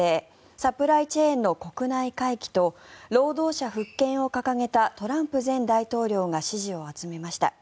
サプライチェーンの国内回帰と労働者復権を掲げたトランプ前大統領が支持を集めました。